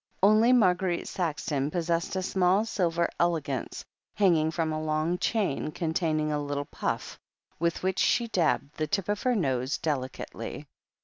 Only Marguerite Saxon possessed a small silver elegance, hanging from a long chain, containing a little puff, with which she dabbed the tip of her nose delicately.